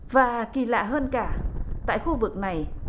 và kỳ lạ hơn cả tại khu vực này